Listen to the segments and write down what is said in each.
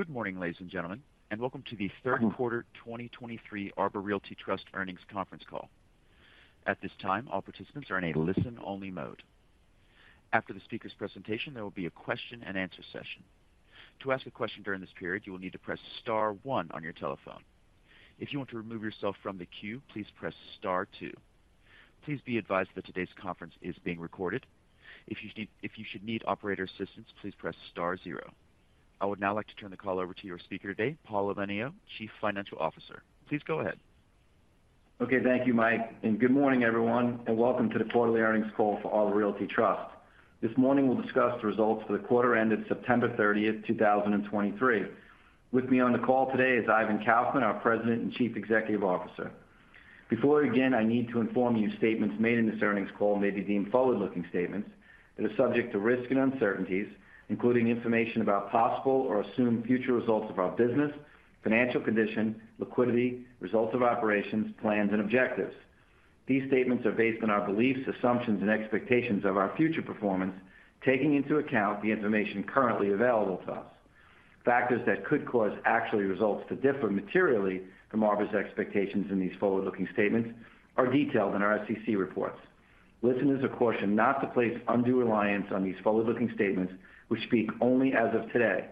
Good morning, ladies and gentlemen, and welcome to the third quarter 2023 Arbor Realty Trust earnings conference call. At this time, all participants are in a listen-only mode. After the speaker's presentation, there will be a question-and-answer session. To ask a question during this period, you will need to press star one on your telephone. If you want to remove yourself from the queue, please press star two. Please be advised that today's conference is being recorded. If you need operator assistance, please press star zero. I would now like to turn the call over to your speaker today, Paul Elenio, Chief Financial Officer. Please go ahead. Okay, thank you, Mike, and good morning, everyone, and welcome to the quarterly earnings call for Arbor Realty Trust. This morning we'll discuss the results for the quarter ended September 30, 2023. With me on the call today is Ivan Kaufman, our President and Chief Executive Officer. Before again, I need to inform you, statements made in this earnings call may be deemed forward-looking statements that are subject to risk and uncertainties, including information about possible or assumed future results of our business, financial condition, liquidity, results of operations, plans, and objectives. These statements are based on our beliefs, assumptions, and expectations of our future performance, taking into account the information currently available to us. Factors that could cause actual results to differ materially from Arbor's expectations in these forward-looking statements are detailed in our SEC reports. Listeners are cautioned not to place undue reliance on these forward-looking statements, which speak only as of today.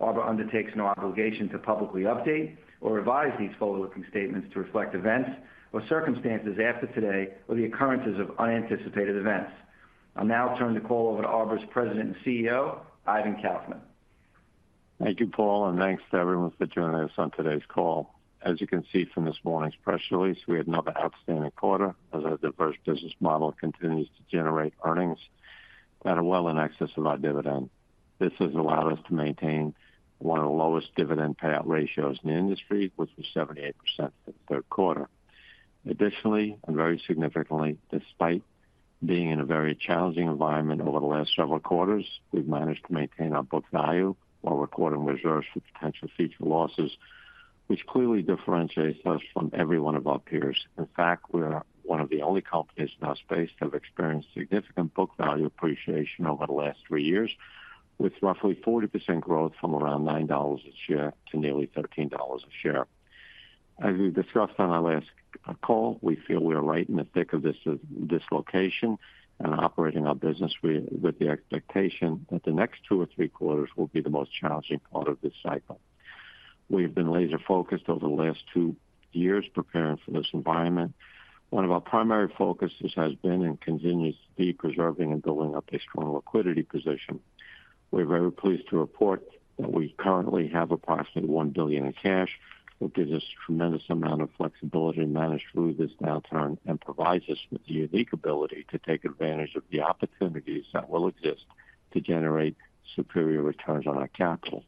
Arbor undertakes no obligation to publicly update or revise these forward-looking statements to reflect events or circumstances after today or the occurrences of unanticipated events. I'll now turn the call over to Arbor's President and CEO, Ivan Kaufman. Thank you, Paul, and thanks to everyone for joining us on today's call. As you can see from this morning's press release, we had another outstanding quarter as our diverse business model continues to generate earnings that are well in excess of our dividend. This has allowed us to maintain one of the lowest dividend payout ratios in the industry, which was 78% for the third quarter. Additionally, and very significantly, despite being in a very challenging environment over the last several quarters, we've managed to maintain our book value while recording reserves for potential future losses, which clearly differentiates us from every one of our peers. In fact, we are one of the only companies in our space to have experienced significant book value appreciation over the last three years, with roughly 40% growth from around $9 a share to nearly $13 a share. As we discussed on our last call, we feel we are right in the thick of this, dislocation and operating our business with the expectation that the next two or three quarters will be the most challenging part of this cycle. We've been laser-focused over the last two years preparing for this environment. One of our primary focuses has been and continues to be preserving and building up a strong liquidity position. We're very pleased to report that we currently have approximately $1 billion in cash, which gives us a tremendous amount of flexibility to manage through this downturn and provides us with the unique ability to take advantage of the opportunities that will exist to generate superior returns on our capital.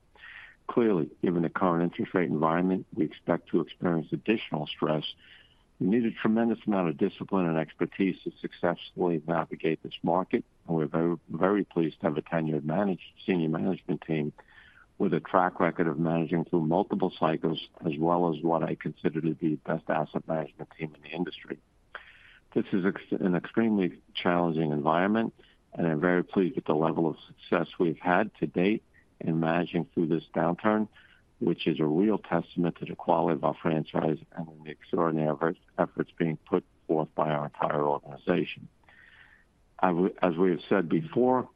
Clearly, given the current interest rate environment, we expect to experience additional stress. We need a tremendous amount of discipline and expertise to successfully navigate this market, and we're very, very pleased to have a tenured senior management team with a track record of managing through multiple cycles, as well as what I consider to be the best asset management team in the industry. This is an extremely challenging environment, and I'm very pleased with the level of success we've had to date in managing through this downturn, which is a real testament to the quality of our franchise and the extraordinary efforts being put forth by our entire organization. As we have said before,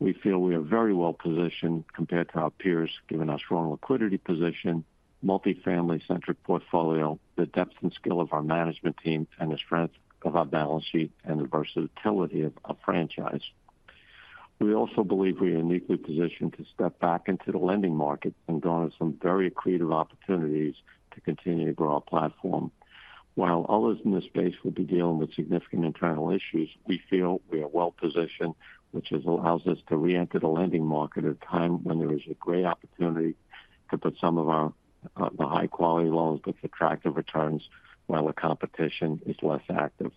we feel we are very well positioned compared to our peers, given our strong liquidity position, multifamily-centric portfolio, the depth and skill of our management team, and the strength of our balance sheet and the versatility of our franchise. We also believe we are uniquely positioned to step back into the lending market and garner some very creative opportunities to continue to grow our platform. While others in this space will be dealing with significant internal issues, we feel we are well positioned, which allows us to reenter the lending market at a time when there is a great opportunity to put some of our, the high-quality loans with attractive returns while the competition is less active.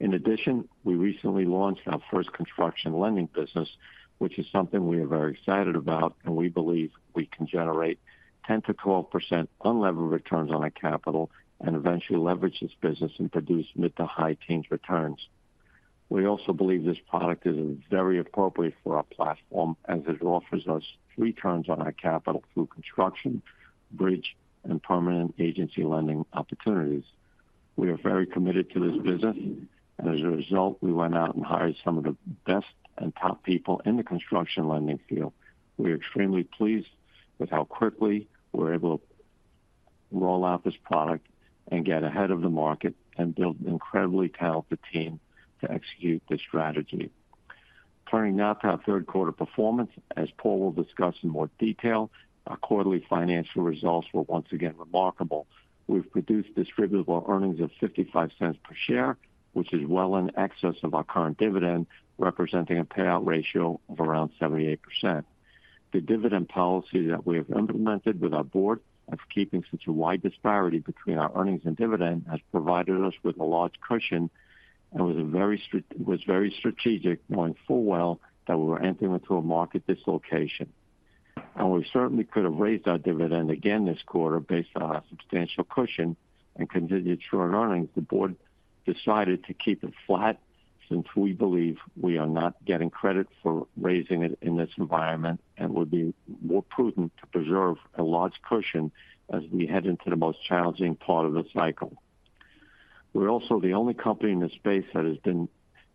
In addition, we recently launched our first construction lending business, which is something we are very excited about, and we believe we can generate 10%-12% unlevered returns on our capital and eventually leverage this business and produce mid to high teens returns. We also believe this product is very appropriate for our platform as it offers us returns on our capital through construction, bridge, and permanent agency lending opportunities. We are very committed to this business, and as a result, we went out and hired some of the best and top people in the construction lending field. We are extremely pleased with how quickly we're able to roll out this product and get ahead of the market and build an incredibly talented team to execute this strategy. Turning now to our third quarter performance, as Paul will discuss in more detail, our quarterly financial results were once again remarkable. We've produced distributable earnings of $0.55 per share, which is well in excess of our current dividend, representing a payout ratio of around 78%. The dividend policy that we have implemented with our board of keeping such a wide disparity between our earnings and dividend has provided us with a large cushion and was very strategic, knowing full well that we were entering into a market dislocation. We certainly could have raised our dividend again this quarter based on our substantial cushion and continued strong earnings. The board decided to keep it flat since we believe we are not getting credit for raising it in this environment, and it would be more prudent to preserve a large cushion as we head into the most challenging part of the cycle. We're also the only company in this space that has been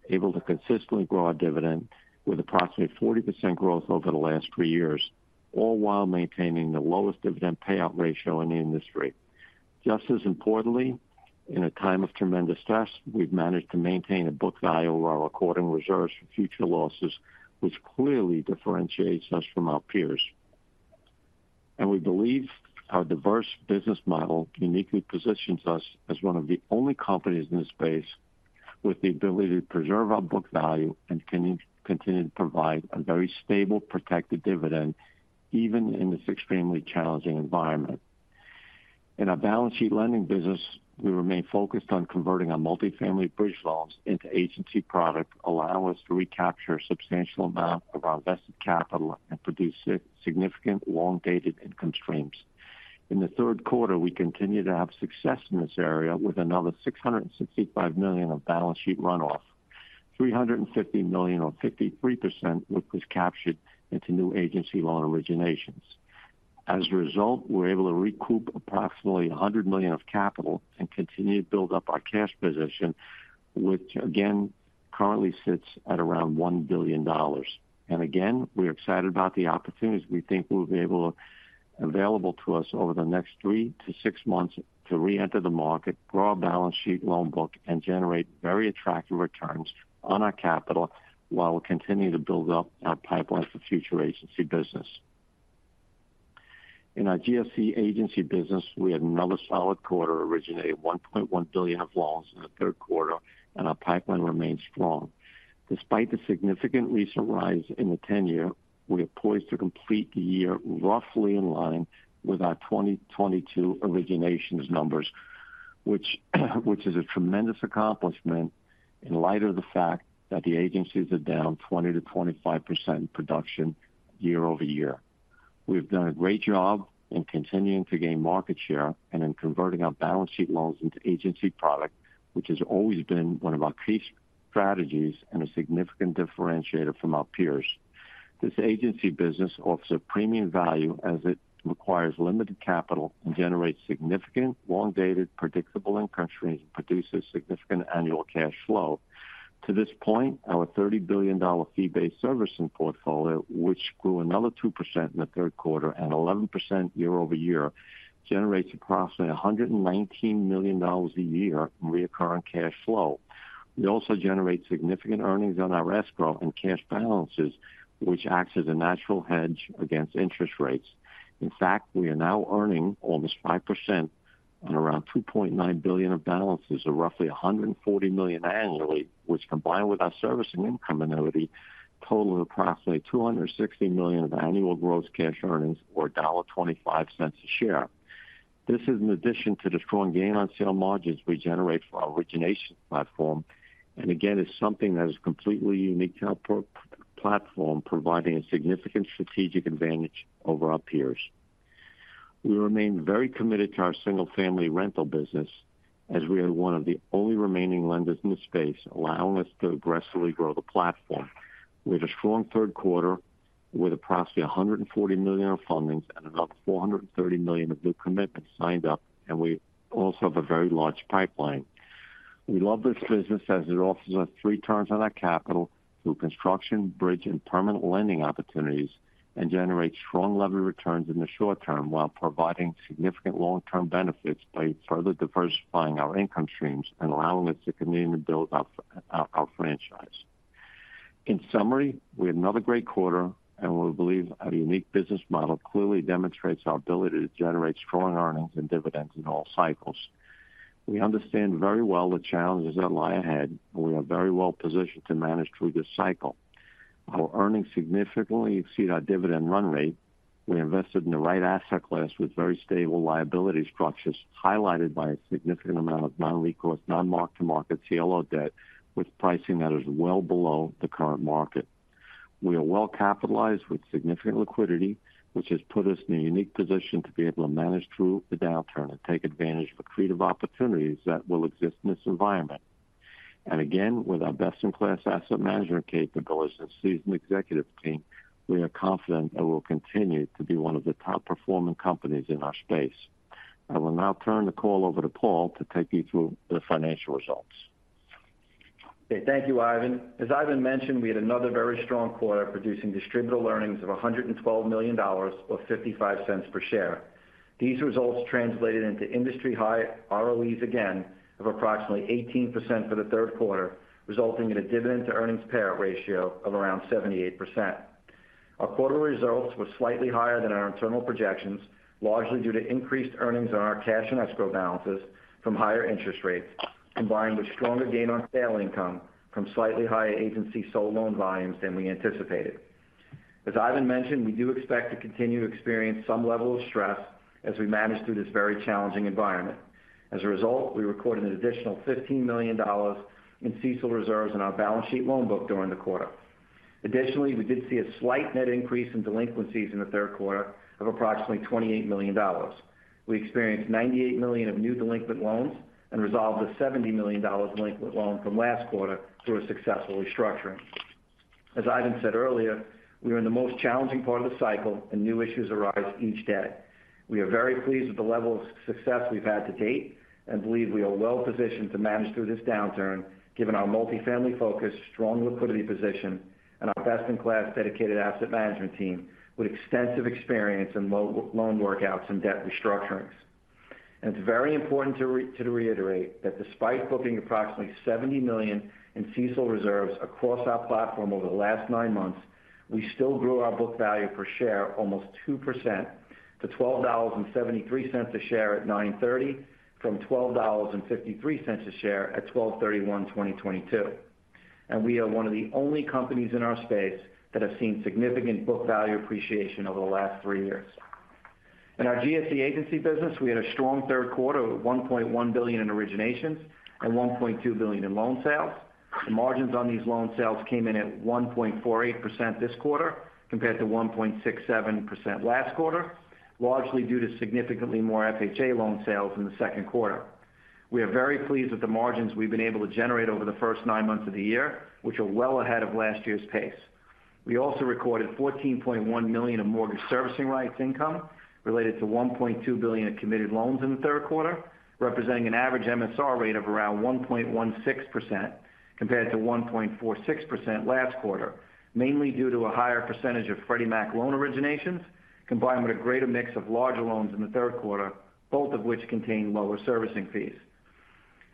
able to consistently grow our dividend with approximately 40% growth over the last three years, all while maintaining the lowest dividend payout ratio in the industry. Just as importantly, in a time of tremendous stress, we've managed to maintain a book value over our accrued reserves for future losses, which clearly differentiates us from our peers. We believe our diverse business model uniquely positions us as one of the only companies in this space with the ability to preserve our book value and continue, continue to provide a very stable, protected dividend, even in this extremely challenging environment. In our balance sheet lending business, we remain focused on converting our multifamily bridge loans into agency product, allow us to recapture a substantial amount of our invested capital and produce significant long-dated income streams. In the third quarter, we continued to have success in this area with another $665 million of balance sheet runoff, $350 million or 53%, which was captured into new agency loan originations. As a result, we're able to recoup approximately $100 million of capital and continue to build up our cash position, which again, currently sits at around $1 billion. Again, we're excited about the opportunities we think will be available to us over the next three to six months to reenter the market, grow our balance sheet loan book, and generate very attractive returns on our capital while we continue to build up our pipeline for future agency business. In our GSE agency business, we had another solid quarter, originating $1.1 billion of loans in the third quarter, and our pipeline remains strong. Despite the significant recent rise in the 10-year, we are poised to complete the year roughly in line with our 2022 originations numbers, which is a tremendous accomplishment in light of the fact that the agencies are down 20%-25% in production year over year. We've done a great job in continuing to gain market share and in converting our balance sheet loans into agency product, which has always been one of our key strategies and a significant differentiator from our peers. This agency business offers a premium value as it requires limited capital and generates significant, long-dated, predictable income streams, and produces significant annual cash flow. To this point, our $30 billion fee-based servicing portfolio, which grew another 2% in the third quarter and 11% year over year, generates approximately $119 million a year in recurring cash flow. We also generate significant earnings on our escrow and cash balances, which acts as a natural hedge against interest rates. In fact, we are now earning almost 5% on around $2.9 billion of balances, or roughly $140 million annually, which, combined with our servicing income annuity, total approximately $260 million of annual gross cash earnings, or $1.25 a share. This is in addition to the strong gain on sale margins we generate for our origination platform, and again, is something that is completely unique to our pro- platform, providing a significant strategic advantage over our peers. We remain very committed to our single-family rental business, as we are one of the only remaining lenders in this space, allowing us to aggressively grow the platform. We had a strong third quarter with approximately $140 million in fundings and another $430 million of new commitments signed up, and we also have a very large pipeline. We love this business as it offers us returns on our capital through construction, bridge, and permanent lending opportunities, and generates strong levered returns in the short term, while providing significant long-term benefits by further diversifying our income streams and allowing us to continue to build up our franchise. In summary, we had another great quarter, and we believe our unique business model clearly demonstrates our ability to generate strong earnings and dividends in all cycles. We understand very well the challenges that lie ahead, and we are very well positioned to manage through this cycle. Our earnings significantly exceed our dividend run rate. We invested in the right asset class with very stable liability structures, highlighted by a significant amount of non-recourse, non-mark-to-market CLO debt with pricing that is well below the current market. We are well capitalized with significant liquidity, which has put us in a unique position to be able to manage through the downturn and take advantage of accretive opportunities that will exist in this environment. And again, with our best-in-class asset management capabilities and seasoned executive team, we are confident that we'll continue to be one of the top-performing companies in our space. I will now turn the call over to Paul to take you through the financial results. Okay, thank you, Ivan. As Ivan mentioned, we had another very strong quarter producing distributable earnings of $112 million, or $0.55 per share. These results translated into industry-high ROEs again of approximately 18% for the third quarter, resulting in a dividend to earnings payout ratio of around 78%. Our quarterly results were slightly higher than our internal projections, largely due to increased earnings on our cash and escrow balances from higher interest rates, combined with stronger gain on sale income from slightly higher agency sold loan volumes than we anticipated. As Ivan mentioned, we do expect to continue to experience some level of stress as we manage through this very challenging environment. As a result, we recorded an additional $15 million in CECL reserves in our balance sheet loan book during the quarter. Additionally, we did see a slight net increase in delinquencies in the third quarter of approximately $28 million. We experienced $98 million of new delinquent loans and resolved a $70 million delinquent loan from last quarter through a successful restructuring. As Ivan said earlier, we are in the most challenging part of the cycle, and new issues arise each day. We are very pleased with the level of success we've had to date and believe we are well positioned to manage through this downturn, given our multifamily focus, strong liquidity position, and our best-in-class dedicated asset management team with extensive experience in loan workouts and debt restructurings. It's very important to reiterate that despite booking approximately $70 million in CECL reserves across our platform over the last nine months, we still grew our book value per share almost 2% to $12.73 a share at 9/30, from $12.53 a share at 12/31/2022. We are one of the only companies in our space that have seen significant book value appreciation over the last three years. In our GSE agency business, we had a strong third quarter of $1.1 billion in originations and $1.2 billion in loan sales. The margins on these loan sales came in at 1.48% this quarter, compared to 1.67% last quarter, largely due to significantly more FHA loan sales in the second quarter. We are very pleased with the margins we've been able to generate over the first nine months of the year, which are well ahead of last year's pace. We also recorded $14.1 million of mortgage servicing rights income related to $1.2 billion in committed loans in the third quarter, representing an average MSR rate of around 1.16%, compared to 1.46% last quarter. Mainly due to a higher percentage of Freddie Mac loan originations, combined with a greater mix of larger loans in the third quarter, both of which contain lower servicing fees.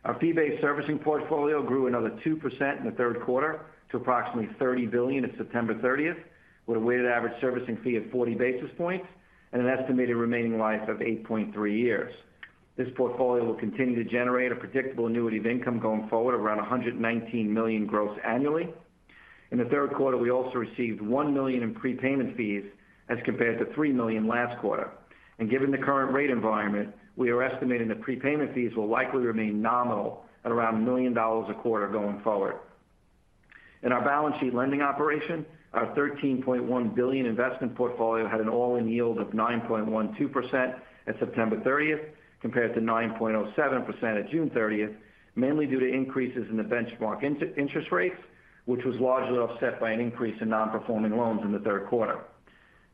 Our fee-based servicing portfolio grew another 2% in the third quarter to approximately $30 billion at September 30th, with a weighted average servicing fee of 40 basis points and an estimated remaining life of 8.3 years. This portfolio will continue to generate a predictable annuity of income going forward, around $119 million gross annually. In the third quarter, we also received $1 million in prepayment fees, as compared to $3 million last quarter. Given the current rate environment, we are estimating that prepayment fees will likely remain nominal at around $1 million a quarter going forward. In our balance sheet lending operation, our $13.1 billion investment portfolio had an all-in yield of 9.12% at September 30th, compared to 9.07% at June 30th, mainly due to increases in the benchmark interest rates, which was largely offset by an increase in nonperforming loans in the third quarter.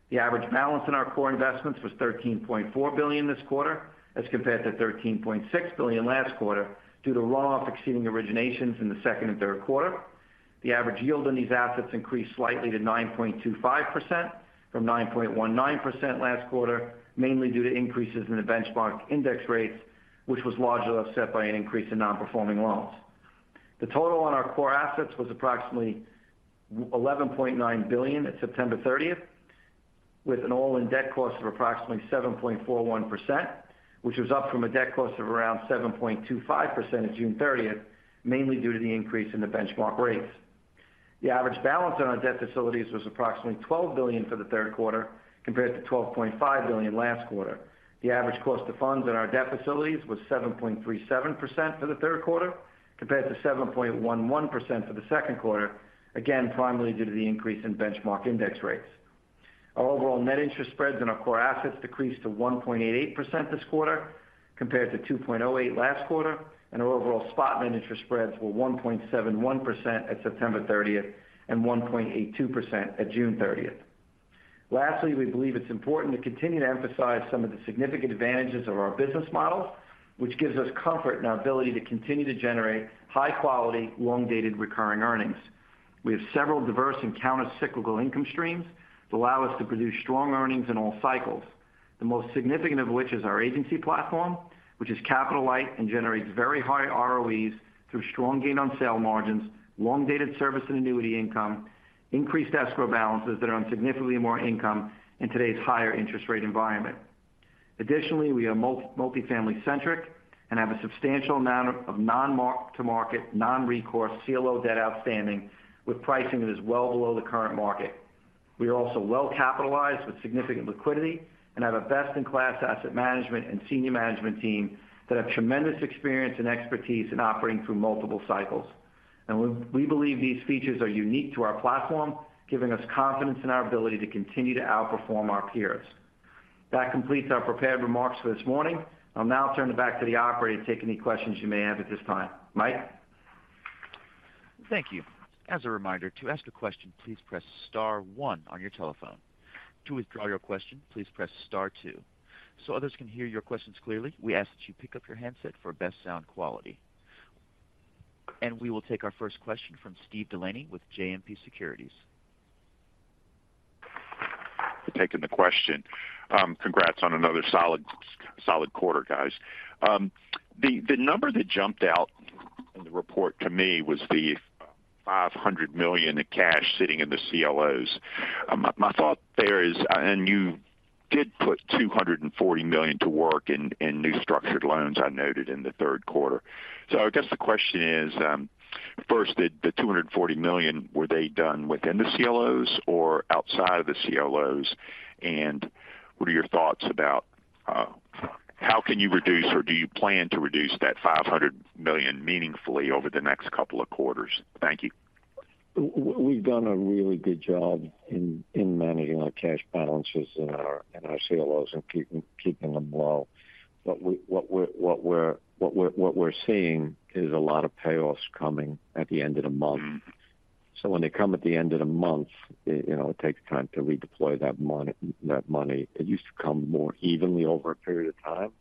The average balance in our core investments was $13.4 billion this quarter, as compared to $13.6 billion last quarter, due to runoff exceeding originations in the second and third quarter. The average yield on these assets increased slightly to 9.25% from 9.19% last quarter, mainly due to increases in the benchmark index rates, which was largely offset by an increase in nonperforming loans. The total on our core assets was approximately $11.9 billion at September 30th, with an all-in debt cost of approximately 7.41%, which was up from a debt cost of around 7.25% at June 30th, mainly due to the increase in the benchmark rates. The average balance on our debt facilities was approximately $12 billion for the third quarter, compared to $12.5 billion last quarter. The average cost of funds in our debt facilities was 7.37% for the third quarter, compared to 7.11% for the second quarter, again, primarily due to the increase in benchmark index rates. Our overall net interest spreads on our core assets decreased to 1.88% this quarter, compared to 2.08% last quarter, and our overall spot net interest spreads were 1.71% at September 30th and 1.82% at June 30th. Lastly, we believe it's important to continue to emphasize some of the significant advantages of our business model, which gives us comfort in our ability to continue to generate high-quality, long-dated, recurring earnings. We have several diverse and countercyclical income streams that allow us to produce strong earnings in all cycles. The most significant of which is our agency platform, which is capital light and generates very high ROEs through strong gain on sale margins, long-dated service and annuity income, increased escrow balances that are on significantly more income in today's higher interest rate environment. Additionally, we are multifamily centric and have a substantial amount of non-mark-to-market, non-recourse CLO debt outstanding with pricing that is well below the current market. We are also well capitalized with significant liquidity and have a best-in-class asset management and senior management team that have tremendous experience and expertise in operating through multiple cycles. And we believe these features are unique to our platform, giving us confidence in our ability to continue to outperform our peers. That completes our prepared remarks for this morning. I'll now turn it back to the operator to take any questions you may have at this time. Mike? Thank you. As a reminder, to ask a question, please press star 1 on your telephone. To withdraw your question, please press star two. So others can hear your questions clearly, we ask that you pick up your handset for best sound quality. We will take our first question from Steve Delaney with JMP Securities. Taking the question. Congrats on another solid, solid quarter, guys. The number that jumped out in the report to me was the $500 million in cash sitting in the CLOs. My thought there is—and you did put $240 million to work in new structured loans I noted in the third quarter. I guess the question is, first, did the $240 million, were they done within the CLOs or outside of the CLOs? What are your thoughts about—how can you reduce or do you plan to reduce that $500 million meaningfully over the next couple of quarters? Thank you. We've done a really good job in managing our cash balances and our CLOs and keeping them low. But what we're seeing is a lot of payoffs coming at the end of the month. So when they come at the end of the month, it, you know, it takes time to redeploy that money, that money. It used to come more evenly over a period of time.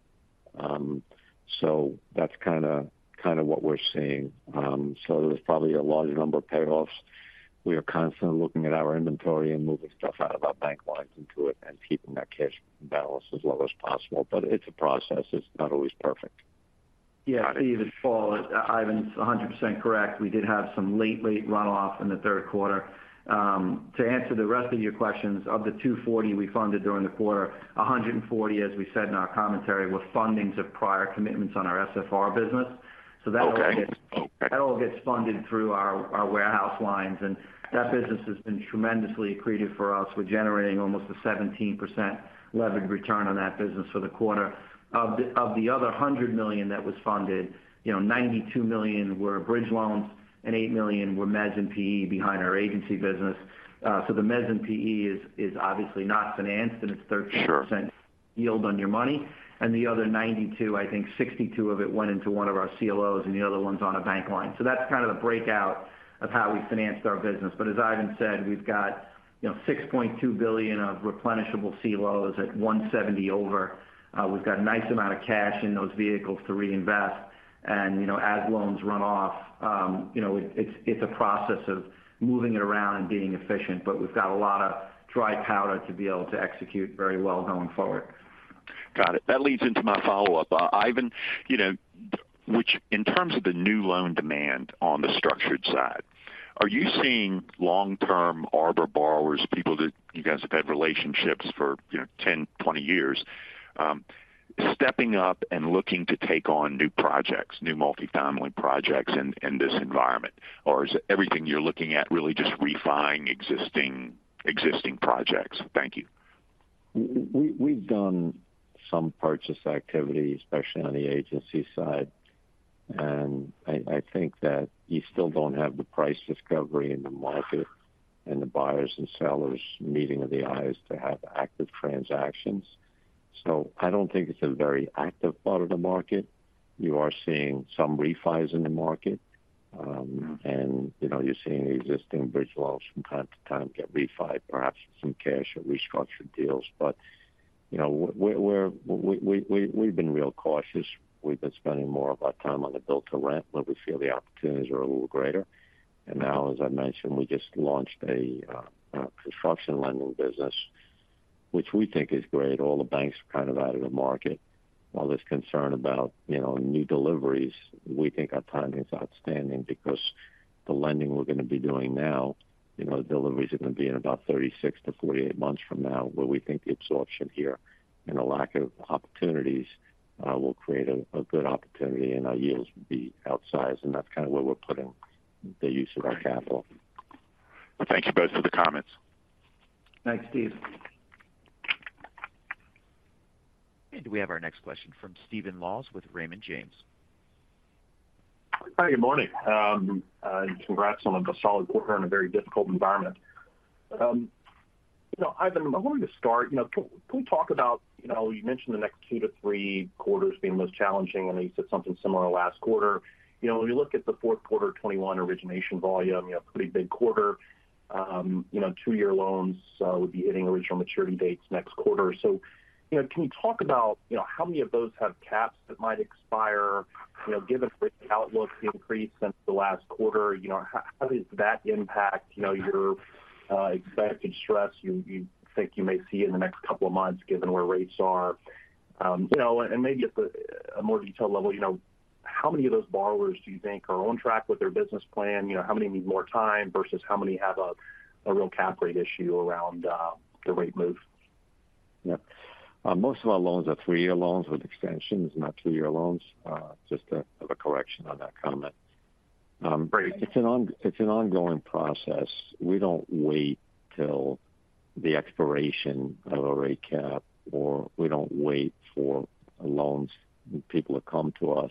So that's kinda, kinda what we're seeing. So there's probably a larger number of payoffs. We are constantly looking at our inventory and moving stuff out of our bank lines into it and keeping that cash balance as low as possible. But it's a process. It's not always perfect. Yeah, Steve, it's Paul. Ivan's 100% correct. We did have some late, late runoff in the third quarter. To answer the rest of your questions, of the $240 million we funded during the quarter, $140 million, as we said in our commentary, were fundings of prior commitments on our SFR business. Okay. So that all gets funded through our, our warehouse lines, and that business has been tremendously accretive for us. We're generating almost a 17% levered return on that business for the quarter. Of the other $100 million that was funded, you know, $92 million were bridge loans, and $8 million were mezz and PE behind our agency business. So the mezz and PE is obviously not financed, and it's 13%— Sure. —yield on your money. And the other 92, I think 62 of it went into one of our CLOs, and the other one's on a bank line. So that's kind of the breakout of how we financed our business. But as Ivan said, we've got, you know, $6.2 billion of replenishable CLOs at 170 over. We've got a nice amount of cash in those vehicles to reinvest. And, you know, as loans run off, you know, it, it's, it's a process of moving it around and being efficient, but we've got a lot of dry powder to be able to execute very well going forward. Got it. That leads into my follow-up. Ivan, you know, which, in terms of the new loan demand on the structured side, are you seeing long-term Arbor borrowers, people that you guys have had relationships for, you know, 10, 20 years, stepping up and looking to take on new projects, new multifamily projects in this environment? Or is everything you're looking at really just refinancing existing projects? Thank you. We've done some purchase activity, especially on the agency side. And I think that you still don't have the price discovery in the market and the buyers and sellers meeting of the eyes to have active transactions. So I don't think it's a very active part of the market. You are seeing some refis in the market, and, you know, you're seeing existing bridge loans from time to time get refi, perhaps some cash or restructured deals. But, you know, we've been real cautious. We've been spending more of our time on the build to rent, where we feel the opportunities are a little greater. And now, as I mentioned, we just launched a construction lending business, which we think is great. All the banks are kind of out of the market. All this concern about, you know, new deliveries. We think our timing is outstanding because the lending we're going to be doing now, you know, the deliveries are going to be in about 36 to 48 months from now, where we think the absorption here and a lack of opportunities will create a good opportunity and our yields will be outsized, and that's kind of where we're putting the use of our capital. Thank you both for the comments. Thanks, Steve. We have our next question from Stephen Laws with Raymond James. Hi, good morning. Congrats on a solid quarter in a very difficult environment. You know, Ivan, I'm going to start. You know, can we talk about you know, you mentioned the next two to three quarters being the most challenging, and you said something similar last quarter. You know, when you look at the fourth quarter of 2021 origination volume, you have a pretty big quarter. You know, two-year loans would be hitting original maturity dates next quarter. So, you know, can you talk about you know, how many of those have caps that might expire? You know, given the outlook increase since the last quarter, you know, how does that impact you know, your expected stress you think you may see in the next couple of months, given where rates are? You know, and maybe at the, a more detailed level, you know, how many of those borrowers do you think are on track with their business plan? You know, how many need more time versus how many have a real cap rate issue around, the rate move? Yeah. Most of our loans are three-year loans with extensions, not two-year loans. Just to have a correction on that comment. Great. It's an ongoing process. We don't wait till the expiration of a rate cap, or we don't wait for loans, people to come to us.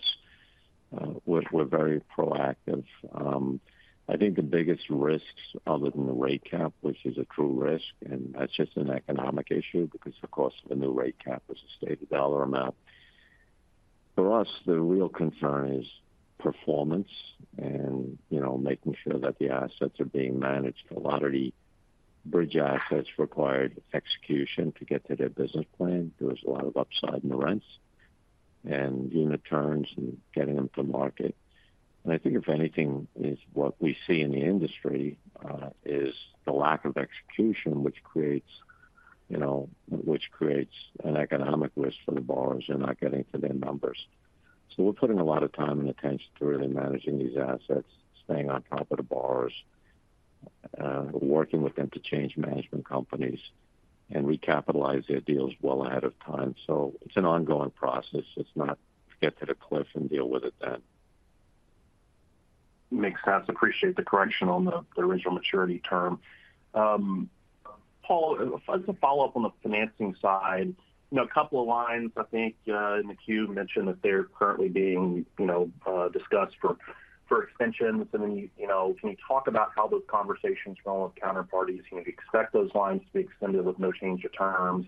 We're very proactive. I think the biggest risks other than the rate cap, which is a true risk, and that's just an economic issue because the cost of a new rate cap is a stated dollar amount. For us, the real concern is performance and, you know, making sure that the assets are being managed. A lot of the bridge assets required execution to get to their business plan. There was a lot of upside in the rents and unit turns and getting them to market. And I think if anything, is what we see in the industry, is the lack of execution, which creates, you know, which creates an economic risk for the borrowers. They're not getting to their numbers. So we're putting a lot of time and attention to really managing these assets, staying on top of the borrowers, working with them to change management companies and recapitalize their deals well ahead of time. So it's an ongoing process. It's not get to the cliff and deal with it then. Makes sense. Appreciate the correction on the, the original maturity term. Paul, as a follow-up on the financing side, you know, a couple of lines, I think, in the queue mentioned that they're currently being, you know, discussed for, for extensions. And then, you, you know, can you talk about how those conversations are going with counterparties? You know, do you expect those lines to be extended with no change of terms?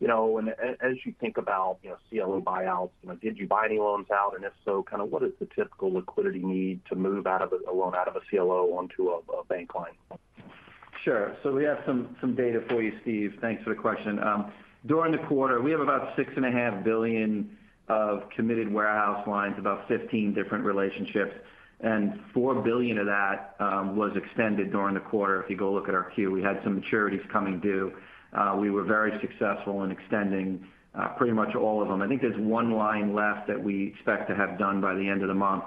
You know, and as you think about, you know, CLO buyouts, you know, did you buy any loans out? And if so, kind of what is the typical liquidity need to move out of a, a loan out of a CLO onto a, a bank line? Sure. So we have some data for you, Steve. Thanks for the question. During the quarter, we have about $6.5 billion of committed warehouse lines, about 15 different relationships, and $4 billion of that was extended during the quarter. If you go look at our Q, we had some maturities coming due. We were very successful in extending pretty much all of them. I think there's one line left that we expect to have done by the end of the month,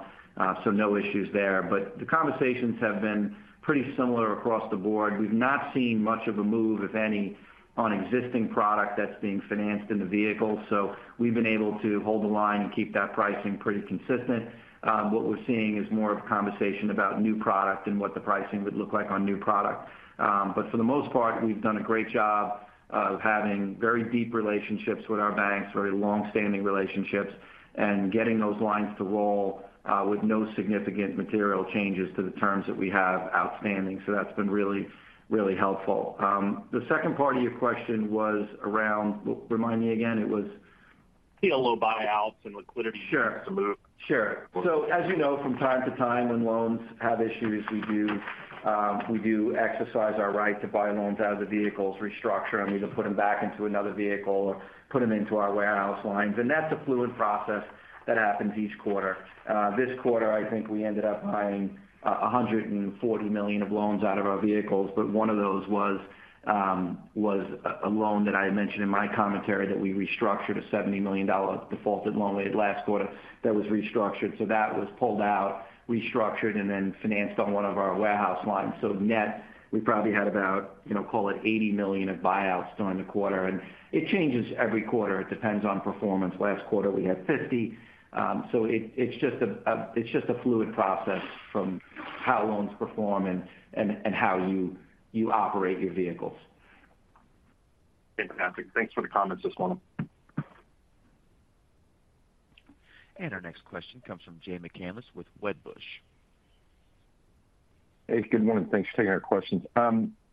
so no issues there. But the conversations have been pretty similar across the board. We've not seen much of a move, if any, on existing product that's being financed in the vehicle, so we've been able to hold the line and keep that pricing pretty consistent. What we're seeing is more of a conversation about new product and what the pricing would look like on new product. But for the most part, we've done a great job of having very deep relationships with our banks, very long-standing relationships, and getting those lines to roll, with no significant material changes to the terms that we have outstanding. So that's been really, really helpful. The second part of your question was around—remind me again, it was? CLO buyouts and liquidity— Sure. —to move. Sure. So as you know, from time to time, when loans have issues, we do exercise our right to buy loans out of the vehicles, restructure them, either put them back into another vehicle or put them into our warehouse lines. And that's a fluid process that happens each quarter. This quarter, I think we ended up buying $140 million of loans out of our vehicles, but one of those was a loan that I had mentioned in my commentary, that we restructured a $70 million defaulted loan late last quarter that was restructured. So that was pulled out, restructured, and then financed on one of our warehouse lines. So net, we probably had about, you know, call it $80 million of buyouts during the quarter, and it changes every quarter. It depends on performance. Last quarter, we had 50. So it's just a fluid process from how loans perform and how you operate your vehicles. Fantastic. Thanks for the comments this morning. Our next question comes from Jay McCanless with Wedbush. Hey, good morning. Thanks for taking our questions.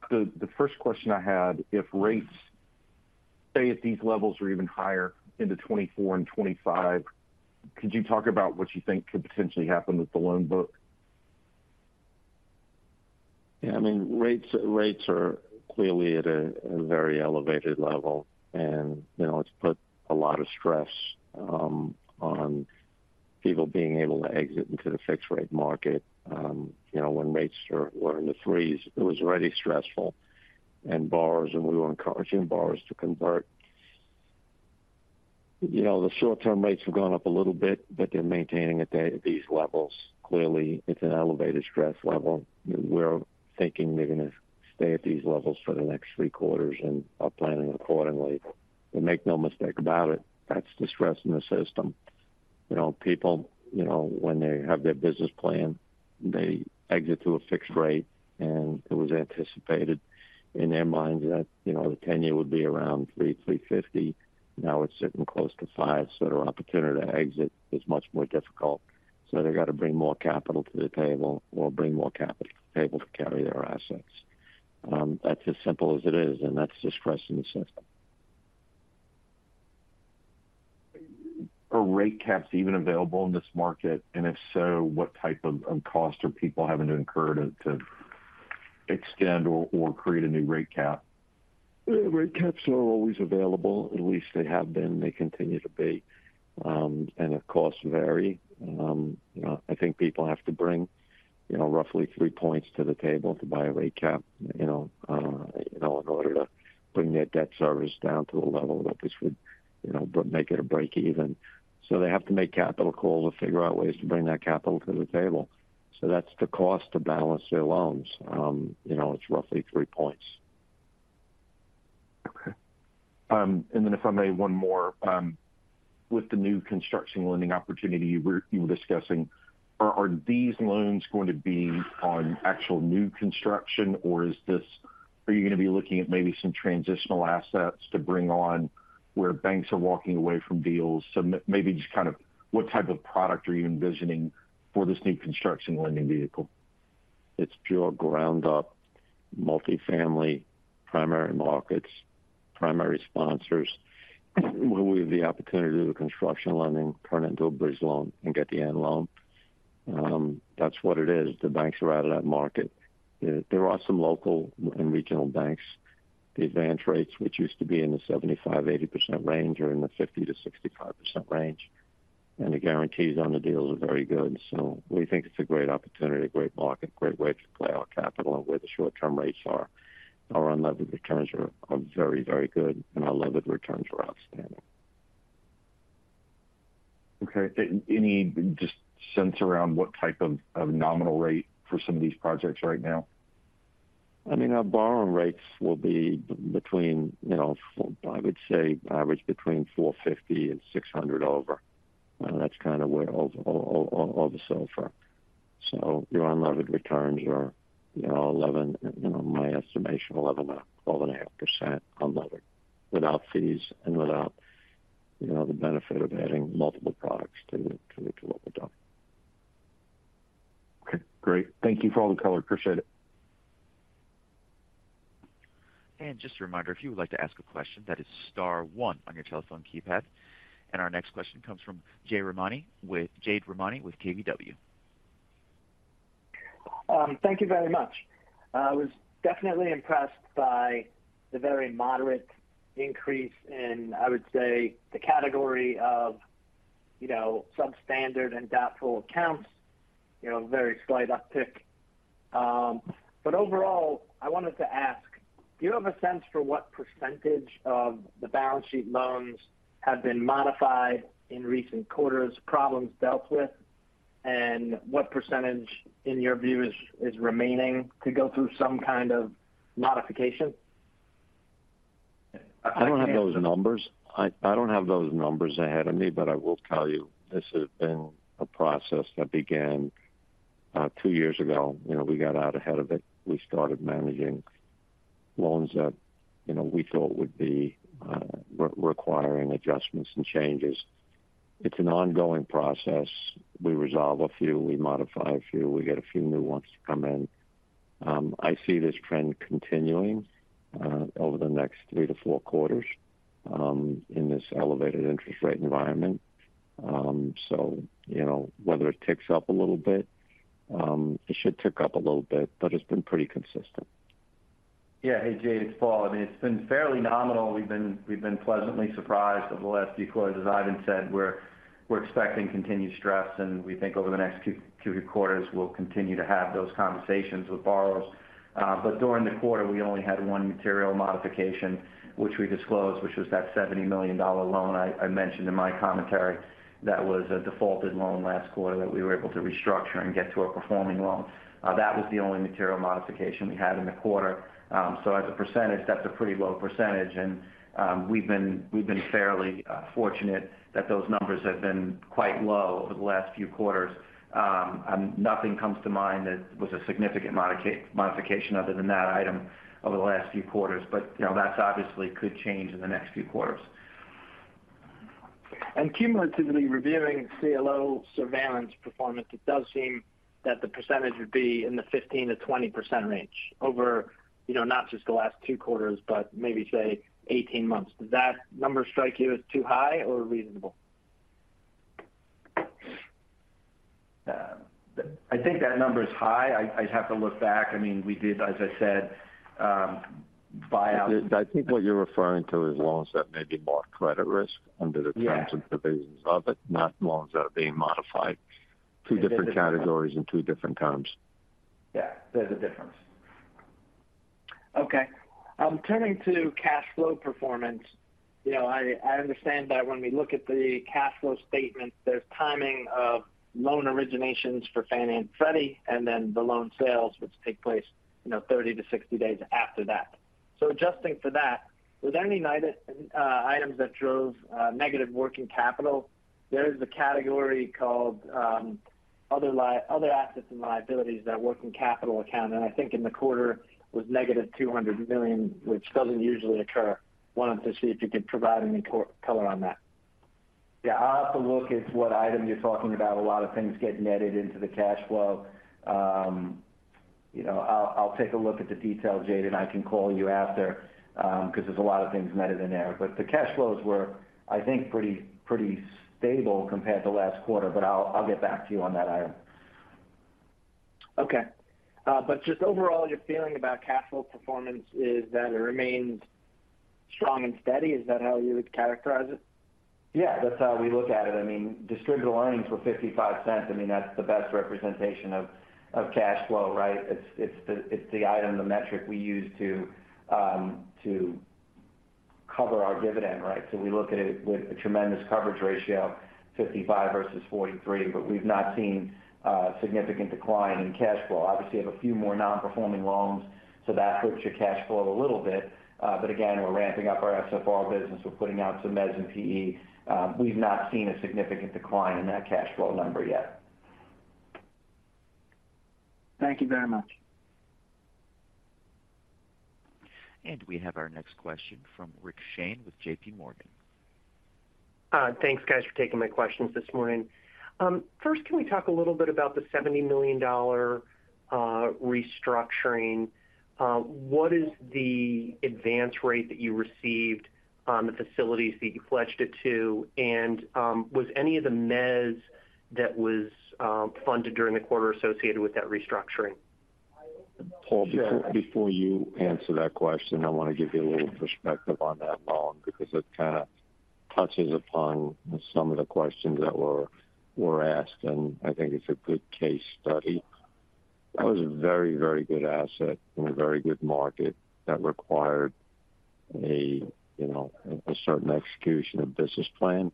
The first question I had, if rates stay at these levels or even higher into 2024 and 2025, could you talk about what you think could potentially happen with the loan book? Yeah, I mean, rates are clearly at a very elevated level, and, you know, it's put a lot of stress on people being able to exit into the fixed rate market. You know, when rates were in the threes, it was already stressful, and we were encouraging borrowers to convert. You know, the short-term rates have gone up a little bit, but they're maintaining at these levels. Clearly, it's an elevated stress level. We're thinking they're going to stay at these levels for the next three quarters and are planning accordingly. But make no mistake about it, that's the stress in the system. You know, people, you know, when they have their business plan, they exit to a fixed rate, and it was anticipated in their minds that, you know, the 10-year would be around 3%, 3.50%. Now it's sitting close to 5%, so their opportunity to exit is much more difficult. So they've got to bring more capital to the table or bring more capital to the table to carry their assets. That's as simple as it is, and that's the stress in the system. Are rate caps even available in this market? And if so, what type of cost are people having to incur to extend or create a new rate cap? Rate caps are always available. At least they have been, they continue to be. And the costs vary. You know, I think people have to bring, you know, roughly three points to the table to buy a rate cap, you know, you know, in order to bring their debt service down to a level that this would, you know, make it a breakeven. So they have to make capital calls to figure out ways to bring that capital to the table. So that's the cost to balance their loans. You know, it's roughly three points. Okay. And then if I may, one more. With the new construction lending opportunity you were discussing, are these loans going to be on actual new construction, or is this—are you going to be looking at maybe some transitional assets to bring on where banks are walking away from deals? So maybe just kind of what type of product are you envisioning for this new construction lending vehicle? It's pure ground up, multifamily, primary markets, primary sponsors. When we have the opportunity to do a construction loan and turn it into a bridge loan and get the end loan, that's what it is. The banks are out of that market. There are some local and regional banks. The advance rates, which used to be in the 75%-80% range, are in the 50%-65% range, and the guarantees on the deals are very good. So we think it's a great opportunity, a great market, great way to play our capital and where the short-term rates are. Our unlevered returns are very, very good, and our levered returns are outstanding. Okay. Any just sense around what type of nominal rate for some of these projects right now? I mean, our borrowing rates will be between, you know, 450-600 over, and that's kind of where all the SOFR. So your unlevered returns are, you know, 11%, you know, my estimation, 11%-12.5% unlevered, without fees and without, you know, the benefit of adding multiple products to what we've done. Okay, great. Thank you for all the color. Appreciate it. And just a reminder, if you would like to ask a question, that is star one on your telephone keypad. And our next question comes from Jade Rahmani with KBW. Thank you very much. I was definitely impressed by the very moderate increase in, I would say, the category of, you know, substandard and doubtful accounts, you know, very slight uptick. But overall, I wanted to ask, do you have a sense for what percentage of the balance sheet loans have been modified in recent quarters, problems dealt with? And what percentage, in your view, is remaining to go through some kind of modification? I don't have those numbers. I, I don't have those numbers ahead of me, but I will tell you this has been a process that began two years ago. You know, we got out ahead of it. We started managing loans that, you know, we thought would be requiring adjustments and changes. It's an ongoing process. We resolve a few, we modify a few, we get a few new ones to come in. I see this trend continuing over the next three to four quarters in this elevated interest rate environment. So, you know, whether it ticks up a little bit, it should tick up a little bit, but it's been pretty consistent. Yeah. Hey, Jade, it's Paul. I mean, it's been fairly nominal. We've been pleasantly surprised over the last few quarters. As Ivan said, we're expecting continued stress, and we think over the next two quarters, we'll continue to have those conversations with borrowers. But during the quarter, we only had one material modification, which we disclosed, which was that $70 million loan I mentioned in my commentary. That was a defaulted loan last quarter that we were able to restructure and get to a performing loan. That was the only material modification we had in the quarter. So as a percentage, that's a pretty low percentage, and we've been fairly fortunate that those numbers have been quite low over the last few quarters. Nothing comes to mind that was a significant modification other than that item over the last few quarters, but, you know, that's obviously could change in the next few quarters. Cumulatively, reviewing CLO surveillance performance, it does seem that the percentage would be in the 15%-20% range over, you know, not just the last two quarters, but maybe, say, 18 months. Does that number strike you as too high or reasonable? I think that number is high. I, I'd have to look back. I mean, we did, as I said, buy out— I think what you're referring to is loans that may be more credit risk under the— Yeah terms and provisions of it, not loans that are being modified. Two different categories and two different terms. Yeah, there's a difference. Okay. Turning to cash flow performance, you know, I understand that when we look at the cash flow statement, there's timing of loan originations for Fannie and Freddie, and then the loan sales, which take place, you know, 30 to 60 days after that. So adjusting for that, were there any items that drove negative working capital? There is a category called other assets and liabilities, that working capital account, and I think in the quarter, it was -$200 million, which doesn't usually occur. Wanted to see if you could provide any color on that. Yeah, I'll have to look at what item you're talking about. A lot of things get netted into the cash flow. You know, I'll take a look at the details, Jade, and I can call you after, because there's a lot of things netted in there. But the cash flows were, I think, pretty, pretty stable compared to last quarter, but I'll get back to you on that item. Okay. But just overall, your feeling about cash flow performance is that it remains strong and steady. Is that how you would characterize it? Yeah, that's how we look at it. I mean, distributable earnings were $0.55. I mean, that's the best representation of, of cash flow, right? It's, it's the, it's the item, the metric we use to, to cover our dividend, right? So we look at it with a tremendous coverage ratio, $0.55 versus $0.43, but we've not seen a significant decline in cash flow. Obviously, you have a few more non-performing loans, so that hurts your cash flow a little bit. But again, we're ramping up our SFR business. We're putting out some mezz and pe. We've not seen a significant decline in that cash flow number yet. Thank you very much. We have our next question from Rick Shane with JPMorgan. Thanks, guys, for taking my questions this morning. First, can we talk a little bit about the $70 million restructuring? What is the advance rate that you received on the facilities that you pledged it to? And, was any of the MEZ that was funded during the quarter associated with that restructuring? Paul, before you answer that question, I want to give you a little perspective on that loan because it kind of touches upon some of the questions that were asked, and I think it's a good case study. That was a very, very good asset in a very good market that required a, you know, a certain execution and business plan,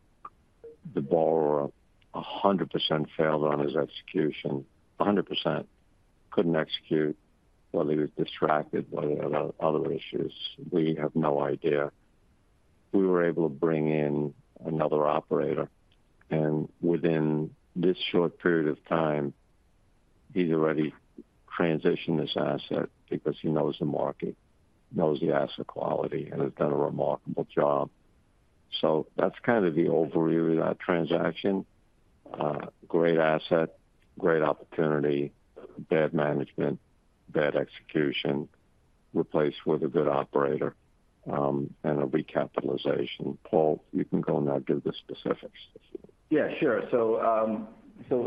the borrower 100% failed on his execution, 100%. Couldn't execute, whether he was distracted, whether he had other issues, we have no idea. We were able to bring in another operator, and within this short period of time, he's already transitioned this asset because he knows the market, knows the asset quality, and has done a remarkable job. So that's kind of the overview of that transaction. Great asset, great opportunity, bad management, bad execution, replaced with a good operator, and a recapitalization. Paul, you can go now and give the specifics. Yeah, sure.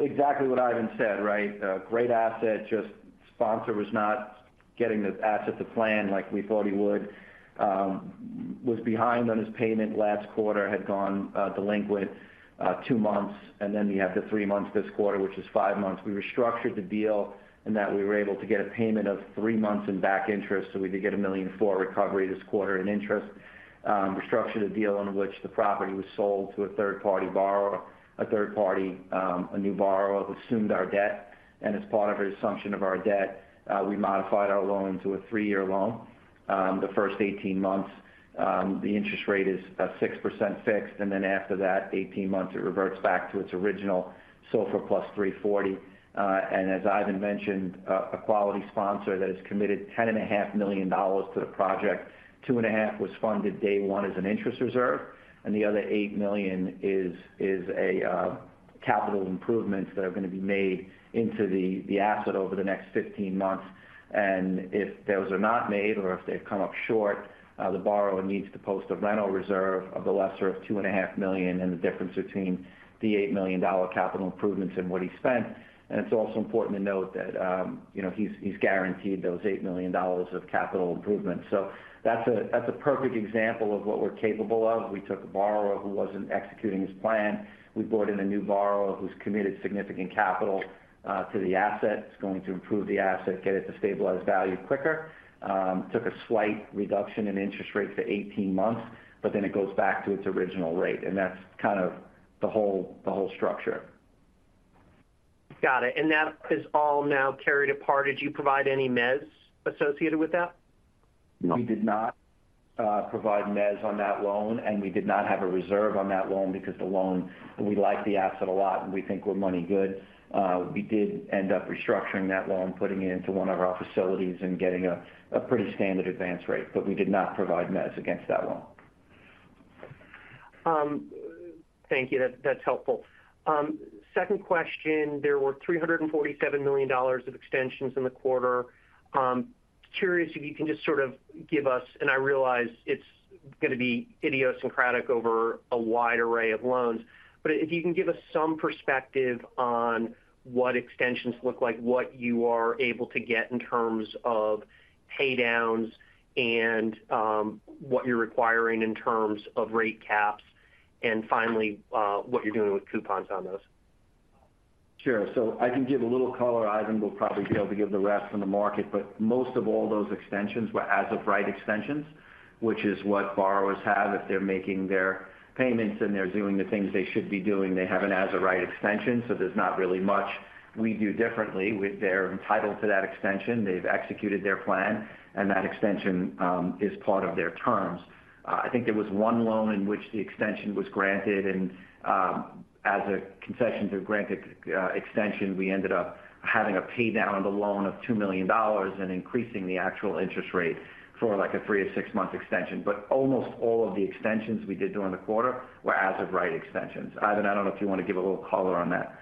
Exactly what Ivan said, right? A great asset, just sponsor was not getting the asset to plan like we thought he would. Was behind on his payment last quarter, had gone delinquent two months, and then we have the three months this quarter, which is five months. We restructured the deal, and we were able to get a payment of three months in back interest, so we did get $1 million for recovery this quarter in interest. Restructured the deal on which the property was sold to a third-party borrower. A third party, a new borrower, who assumed our debt, and as part of his assumption of our debt, we modified our loan to a three-year loan. The first 18 months, the interest rate is at 6% fixed, and then after that 18 months, it reverts back to its original SOFR plus 3.40%. As Ivan mentioned, a quality sponsor that has committed $10.5 million to the project. $2.5 million was funded day one as an interest reserve, and the other $8 million is capital improvements that are going to be made into the asset over the next 15 months. If those are not made or if they've come up short, the borrower needs to post a rental reserve of the lesser of $2.5 million, and the difference between the $8 million capital improvements and what he spent. It's also important to note that, you know, he's guaranteed those $8 million of capital improvement. So that's a perfect example of what we're capable of. We took a borrower who wasn't executing his plan. We brought in a new borrower who's committed significant capital to the asset. He's going to improve the asset, get it to stabilize value quicker. Took a slight reduction in interest rates for 18 months, but then it goes back to its original rate, and that's kind of the whole structure. Got it. That is all now carried at par. Did you provide any mezz associated with that? We did not provide mezz on that loan, and we did not have a reserve on that loan because the loan—we like the asset a lot, and we think we're money good. We did end up restructuring that loan, putting it into one of our facilities and getting a pretty standard advance rate, but we did not provide mezz against that loan. Thank you. That, that's helpful. Second question, there were $347 million of extensions in the quarter. Curious if you can just sort of give us, and I realize it's gonna be idiosyncratic over a wide array of loans, but if you can give us some perspective on what extensions look like, what you are able to get in terms of pay downs and, what you're requiring in terms of rate caps, and finally, what you're doing with coupons on those. Sure. So I can give a little color. Ivan will probably be able to give the rest on the market, but most of all those extensions were as-of-right extensions, which is what borrowers have. If they're making their payments and they're doing the things they should be doing, they have an as-of-right extension, so there's not really much we do differently. They're entitled to that extension. They've executed their plan, and that extension is part of their terms. I think there was one loan in which the extension was granted, and as a concession to grant extension, we ended up having a pay down on the loan of $2 million and increasing the actual interest rate for, like, a 3-6-month extension. But almost all of the extensions we did during the quarter were as-of-right extensions. Ivan, I don't know if you want to give a little color on that.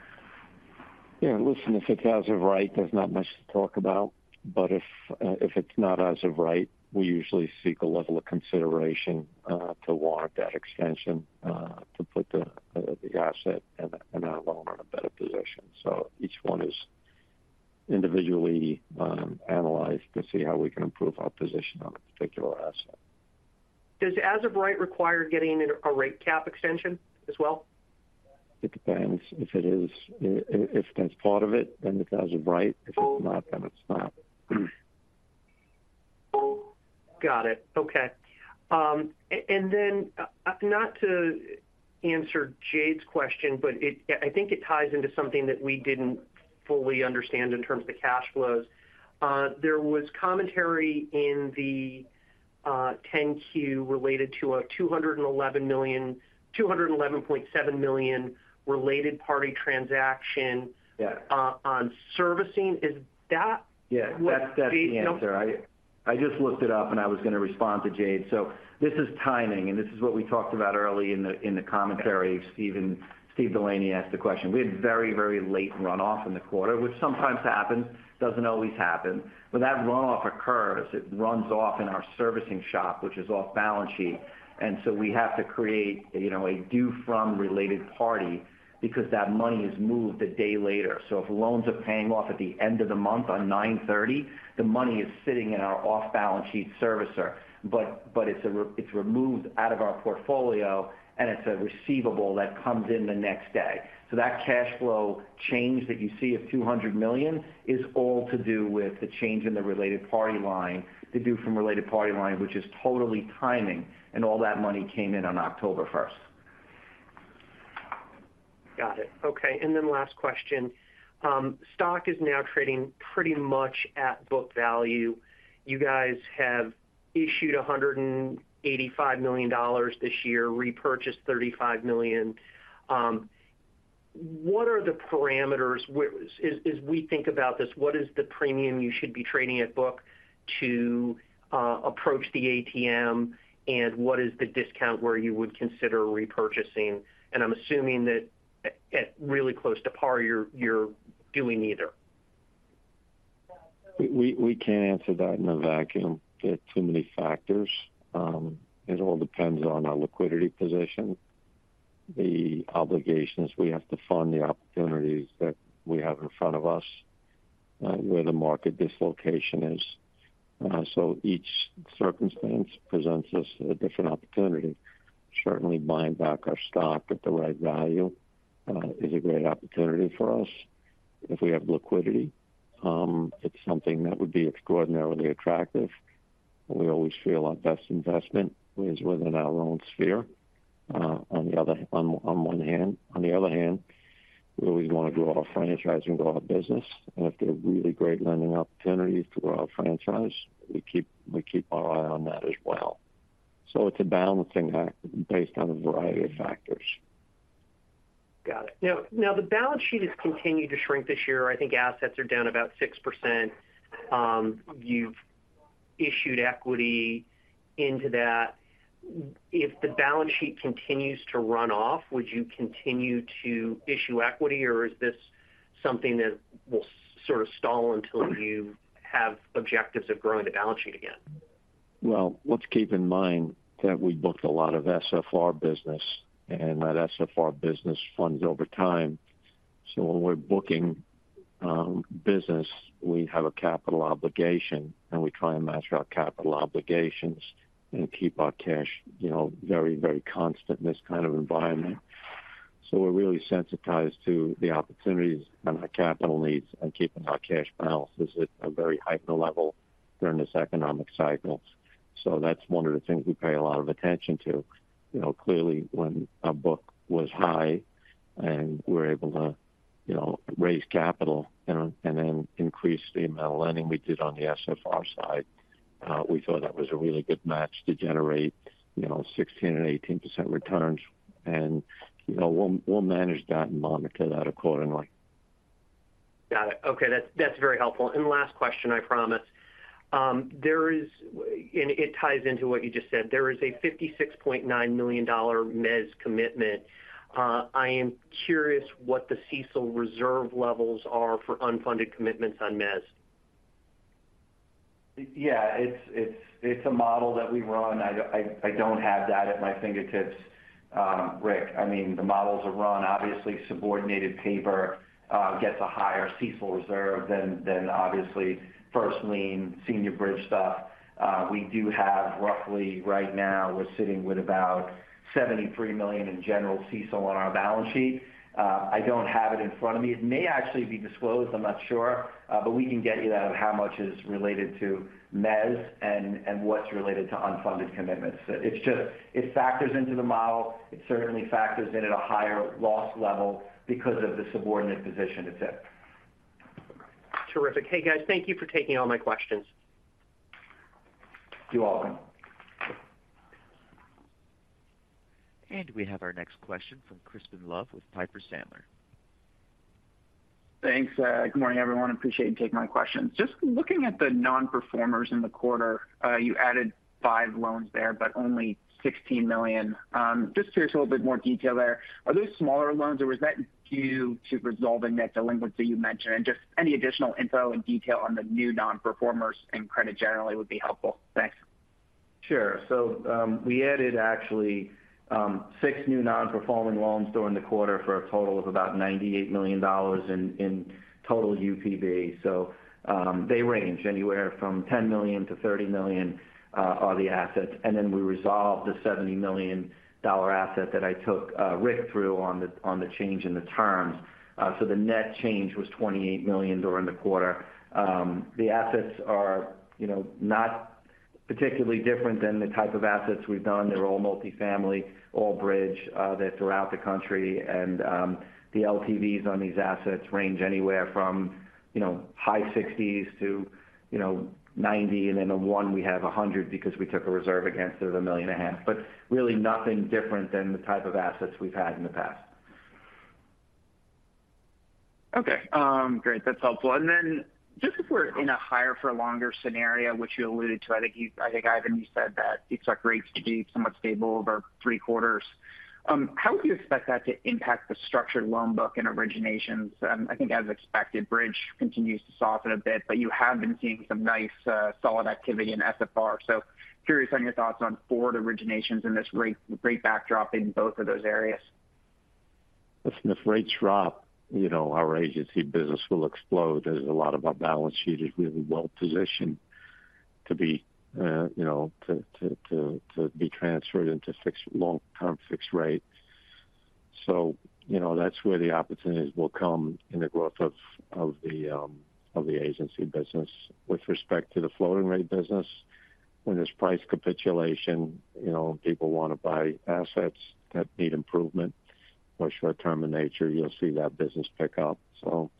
Yeah, listen, if it's as-of-right, there's not much to talk about, but if it's not as-of-right, we usually seek a level of consideration to warrant that extension to put the asset and our loan in a better position. So each one is individually analyzed to see how we can improve our position on a particular asset. Does as-of-right require getting a rate cap extension as well? It depends. If it is, if that's part of it, then it's as-of-right. If it's not, then it's not. Got it. Okay. Not to answer Jade's question, but I think it ties into something that we didn't fully understand in terms of the cash flows. There was commentary in the 10-Q related to a $211.7 million related party transaction— Yeah. —on servicing. Is that? Yeah, that's, that's the answer. I, I just looked it up and I was gonna respond to Jade. So this is timing, and this is what we talked about early in the, in the commentary. Steven, Steve Delaney asked the question. We had very, very late run off in the quarter, which sometimes happens, doesn't always happen. When that run off occurs, it runs off in our servicing shop, which is off balance sheet, and so we have to create, you know, a due from related party because that money is moved a day later. So if loans are paying off at the end of the month on 9.30, the money is sitting in our off balance sheet servicer, but it's removed out of our portfolio, and it's a receivable that comes in the next day. So that cash flow change that you see of $200 million is all to do with the change in the related party line, the due from related party line, which is totally timing, and all that money came in on October first. Got it. Okay, and then last question. Stock is now trading pretty much at book value. You guys have issued $185 million this year, repurchased $35 million. What are the parameters, where—as we think about this, what is the premium you should be trading at book to approach the ATM? And what is the discount where you would consider repurchasing? And I'm assuming that at really close to par, you're doing neither. We can't answer that in a vacuum. There are too many factors. It all depends on our liquidity position, the obligations we have to fund, the opportunities that we have in front of us, where the market dislocation is. So each circumstance presents us a different opportunity. Certainly, buying back our stock at the right value is a great opportunity for us. If we have liquidity, it's something that would be extraordinarily attractive. We always feel our best investment is within our own sphere, on the other hand. On the other hand, we always want to grow our franchising, grow our business, and if there are really great lending opportunities to grow our franchise, we keep our eye on that as well. So it's a balancing act based on a variety of factors. Got it. Now, now, the balance sheet has continued to shrink this year. I think assets are down about 6%. You've issued equity into that. If the balance sheet continues to run off, would you continue to issue equity, or is this something that will sort of stall until you have objectives of growing the balance sheet again? Well, let's keep in mind that we booked a lot of SFR business, and that SFR business funds over time. So when we're booking business, we have a capital obligation, and we try and match our capital obligations and keep our cash, you know, very, very constant in this kind of environment. So we're really sensitized to the opportunities and our capital needs and keeping our cash balances at a very heightened level during this economic cycle. So that's one of the things we pay a lot of attention to. You know, clearly, when our book was high and we're able to, you know, raise capital and then increase the amount of lending we did on the SFR side, we thought that was a really good match to generate, you know, 16% and 18% returns, and, you know, we'll manage that and monitor that accordingly. Got it. Okay, that's, that's very helpful. And last question, I promise. There is, and it ties into what you just said. There is a $56.9 million mezz commitment. I am curious what the CECL reserve levels are for unfunded commitments on mezz. Yeah, it's a model that we run. I don't have that at my fingertips, Rick. I mean, the models are run. Obviously, subordinated paper gets a higher CECL reserve than obviously first lien senior bridge stuff. We do have roughly, right now, we're sitting with about $73 million in general CECL on our balance sheet. I don't have it in front of me. It may actually be disclosed, I'm not sure, but we can get you that, of how much is related to mezz and what's related to unfunded commitments. It's just, it factors into the model. It certainly factors in at a higher loss level because of the subordinate position it's in. Terrific. Hey, guys, thank you for taking all my questions. You're welcome. We have our next question from Crispin Love with Piper Sandler. Thanks. Good morning, everyone. Appreciate you taking my questions. Just looking at the nonperformers in the quarter, you added 5 loans there, but only $16 million. Just curious a little bit more detail there. Are those smaller loans, or was that due to resolving that delinquency you mentioned? And just any additional info and detail on the new nonperformers and credit generally would be helpful. Thanks. Sure. We added actually six new nonperforming loans during the quarter for a total of about $98 million in total UPB. They range anywhere from $10 million-$30 million are the assets. We resolved the $70 million asset that I took Rick through on the change in the terms. The net change was $28 million during the quarter. The assets are, you know, not particularly different than the type of assets we've done. They're all multifamily, all bridge, they're throughout the country. The LTVs on these assets range anywhere from, you know, high-60s to, you know, 90, and then in one, we have 100 because we took a reserve against it of $1.5 million. Really nothing different than the type of assets we've had in the past. Okay, great. That's helpful. And then just if we're in a higher for longer scenario, which you alluded to, I think, Ivan, you said that you expect rates to be somewhat stable over three quarters. How would you expect that to impact the structured loan book and originations? I think as expected, Bridge continues to soften a bit, but you have been seeing some nice, solid activity in SFR. So curious on your thoughts on forward originations in this rate backdrop in both of those areas. If, if rates drop, you know, our agency business will explode. There's a lot of our balance sheet is really well positioned to be, you know, to be transferred into fixed long-term fixed rate. So, you know, that's where the opportunities will come in the growth of, of the, of the agency business. With respect to the floating rate business. When there's price capitulation, you know, people want to buy assets that need improvement. More short-term in nature, you'll see that business pick up. So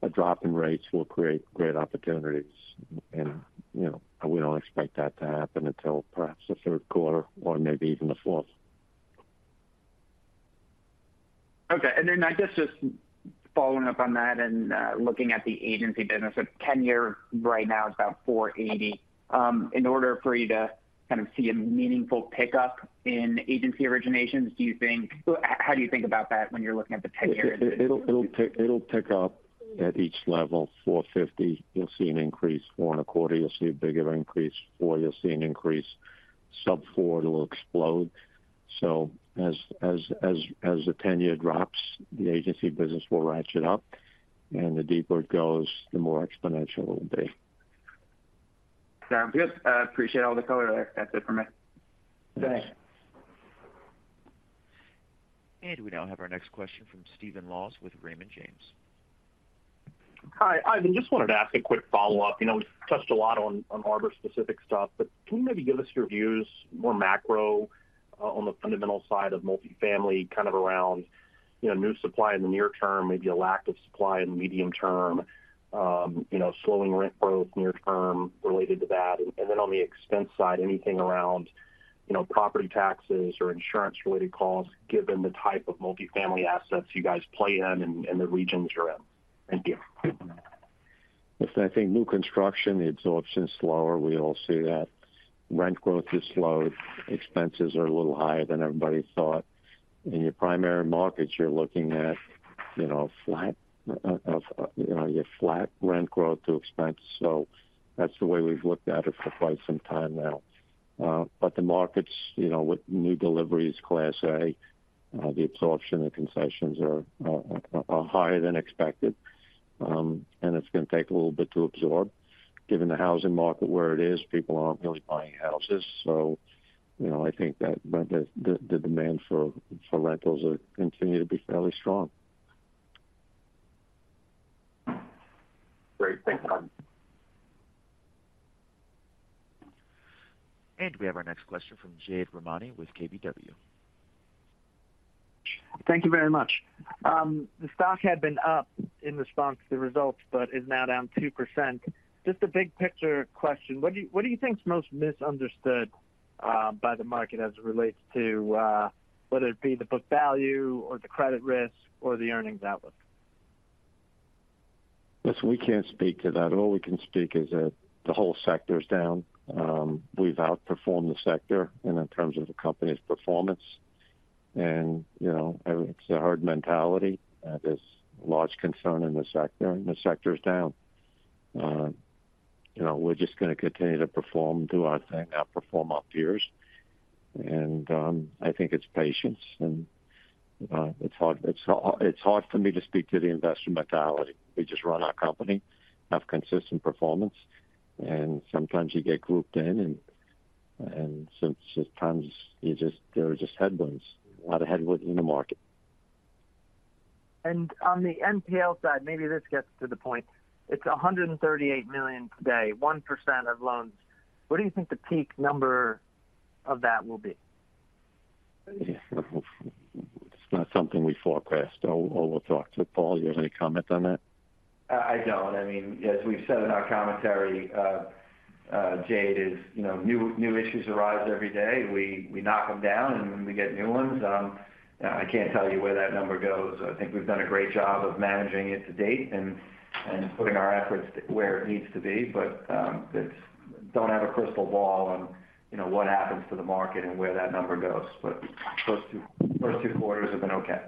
a drop in rates will create great opportunities, and, you know, we don't expect that to happen until perhaps the third quarter or maybe even the fourth. Okay. I just, just following up on that, looking at the agency business, a 10-year right now is about 4.80. In order for you to kind of see a meaningful pickup in agency originations, do you think—how do you think about that when you're looking at the 10-year? It'll pick up at each level, 4.50, you'll see an increase. On accordions, you'll see a bigger increase, or you'll see an increase. Sub 4, it will explode. As the 10-year drops, the agency business will ratchet up, and the deeper it goes, the more exponential it will be. Sounds good. I appreciate all the color there. That's it for me. Thanks. We now have our next question from Stephen Laws with Raymond James. Hi, Ivan. Just wanted to ask a quick follow-up. You know, we've touched a lot on, on Arbor-specific stuff, but can you maybe give us your views, more macro, on the fundamental side of multifamily, kind of around, you know, new supply in the near term, maybe a lack of supply in the medium term, you know, slowing rent growth near term related to that? And then on the expense side, anything around, you know, property taxes or insurance-related costs, given the type of multifamily assets you guys play in and the regions you're in? Thank you. Listen, I think new construction, the absorption is slower. We all see that. Rent growth is slow. Expenses are a little higher than everybody thought. In your primary markets, you're looking at, you know, flat, you know, your flat rent growth to expense. So that's the way we've looked at it for quite some time now. But the markets, you know, with new deliveries, Class A, the absorption, the concessions are higher than expected, and it's going to take a little bit to absorb. Given the housing market where it is, people aren't really buying houses. So, you know, I think that the demand for rentals are continue to be fairly strong. Great. Thanks a lot. We have our next question from Jade Rahmani with KBW. Thank you very much. The stock had been up in response to the results, but is now down 2%. Just a big picture question, what do you think is most misunderstood by the market as it relates to whether it be the book value or the credit risk or the earnings outlook? Listen, we can't speak to that. All we can speak is that the whole sector is down. We've outperformed the sector and in terms of the company's performance, and, you know, it's a hard mentality. There's large concern in the sector, and the sector is down. You know, we're just going to continue to perform, do our thing, outperform our peers, and I think it's patience, and it's hard, it's hard for me to speak to the investor mentality. We just run our company, have consistent performance, and sometimes you get grouped in, and, and sometimes you just—there are just headwinds, a lot of headwind in the market. On the NPL side, maybe this gets to the point. It's $138 million today, 1% of loans. What do you think the peak number of that will be? It's not something we forecast or we'll talk to. Paul, you have any comment on that? I don't. I mean, as we've said in our commentary, you know, Jade, new issues arise every day. We knock them down, and then we get new ones. I can't tell you where that number goes. I think we've done a great job of managing it to date and putting our efforts where it needs to be, but I don't have a crystal ball on, you know, what happens to the market and where that number goes. First two quarters have been okay.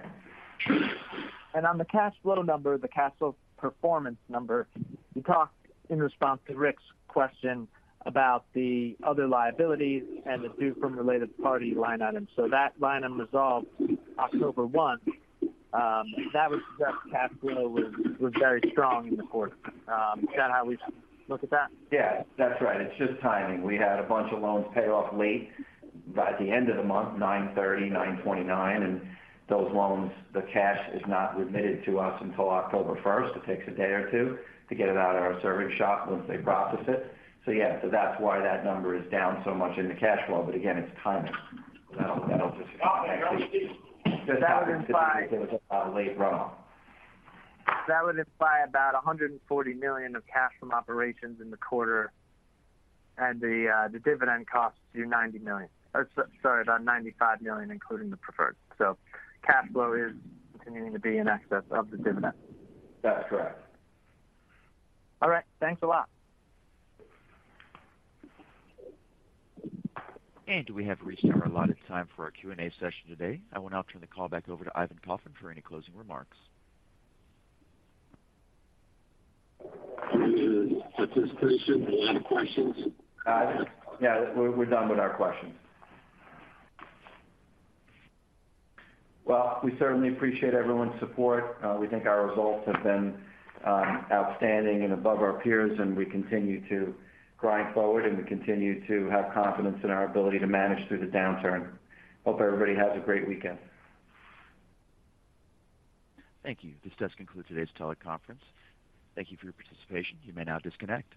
On the cash flow number, the cash flow performance number, you talked in response to Rick's question about the other liabilities and the due from related party line item. So that line item resolved October 1, that cash flow was very strong in the quarter. Is that how we look at that? Yeah, that's right. It's just timing. We had a bunch of loans pay off late by the end of the month, 9/30, 9/29, and those loans, the cash is not remitted to us until October first. It takes a day or two to get it out of our servicing shop once they process it. So yeah, so that's why that number is down so much in the cash flow. But again, it's timing. That'll just— That would imply? A late run-off. That would imply about $140 million of cash from operations in the quarter, and the dividend costs you $90 million, or so, sorry, about $95 million, including the preferred. So cash flow is continuing to be in excess of the dividend. That's correct. All right. Thanks a lot. We have reached our allotted time for our Q&A session today. I will now turn the call back over to Ivan Kaufman for any closing remarks. Participation, a lot of questions? Yeah, we're done with our questions. Well, we certainly appreciate everyone's support. We think our results have been outstanding and above our peers, and we continue to grind forward, and we continue to have confidence in our ability to manage through the downturn. Hope everybody has a great weekend. Thank you. This does conclude today's teleconference. Thank you for your participation. You may now disconnect.